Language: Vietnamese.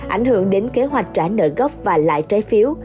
ảnh hưởng đến kế hoạch trả nợ gốc và lại trái phiếu